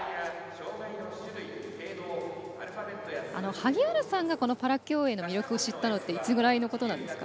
萩原さんがこのパラ競泳の魅力を知ったのっていつぐらいなんですか。